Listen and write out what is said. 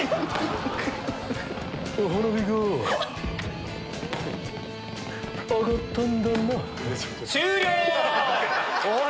花火がぁ上がったんだなっ。